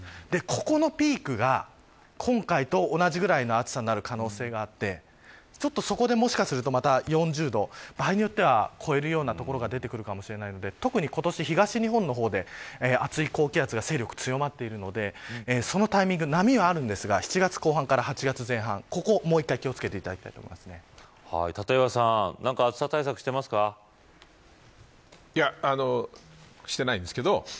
ここのピークが今回と同じくらいの暑さになる可能性があってちょっとそこでもしかすると４０度場合によっては超えるような所が出てくるかもしれないので特に今年、東日本の方で暑い高気圧が勢力、強まっているのでそのタイミング波はあるんですが、７月後半から８月後半、ここもう一回気を付けていただ立岩さん、暑さ対策していないですけど。